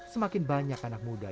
semakin banyak anak muda